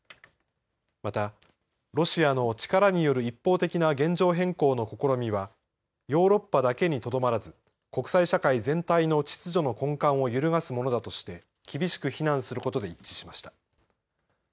また、ロシアの力による一方的な現状変更の試みはヨーロッパだけにとどまらず国際社会全体の秩序の根幹を揺るがすものだとして厳しく非難することで一致しました。